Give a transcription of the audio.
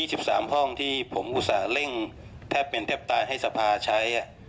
สิบสามห้องที่ผมอุตส่าห์เร่งแทบเป็นแทบตายให้สภาใช้